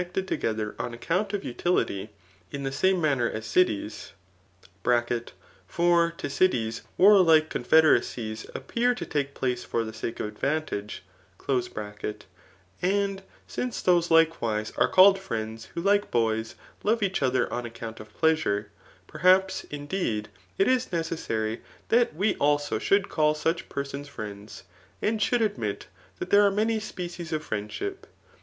97 HQCted together on account of utility^ in the same ma&r ner as cities |[for to cities Ti|rarlike confederacies appear to take pbce for the sake of advantage) ; and since those likewise are called friends who like boys love each other on account of pleasure, perhaps, indeed, it is necessary that we also should call such persons friends, and should admit that there are many species of friendship.